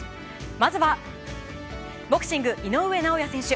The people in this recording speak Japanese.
まずは、ボクシング井上尚弥選手。